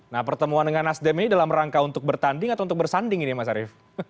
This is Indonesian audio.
nah pertemuan dengan nasdem ini dalam rangka untuk bertanding atau untuk bersanding ini mas arief